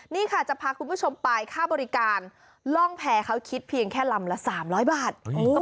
นี่ค่ะจะพาคุณผู้ชมไปค่าบริการล่องแพ้เขาคิดเพียงแค่ลำละ๓๐๐บาท